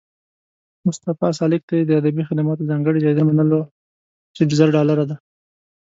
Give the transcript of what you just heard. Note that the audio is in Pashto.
مصطفی سالک ته یې د ادبي خدماتو ځانګړې جایزه منلې چې زر ډالره دي